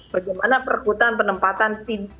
bagaimana perkurutan penempatan